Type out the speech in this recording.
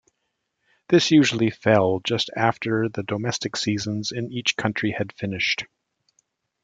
This usually fell just after the domestic seasons in each country had finished.